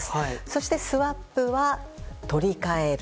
そして、スワップは取り替える。